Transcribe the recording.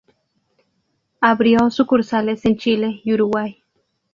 Abrió sucursales en Chile y Uruguay.